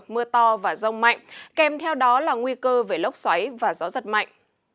mưa to và rông mạnh kèm theo đó là nguy cơ về lốc xoáy và gió giật mạnh